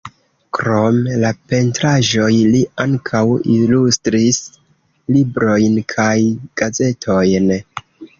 Krom la pentraĵoj li ankaŭ ilustris librojn kaj gazetojn.